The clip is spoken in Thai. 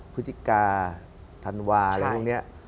พุทิกาธันวาอย่างตรงเนี่ย